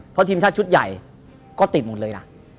เพราะทีมชาติชุดใหญ่ก็ติดหมดเลยนะ